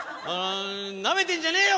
なめてんじゃねえよ